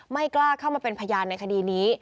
ไม่กล้าเข้ามาเป็นพยานในคดีนี้